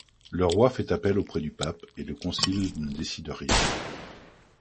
Le roi fait appel auprès du pape et le concile ne décide rien.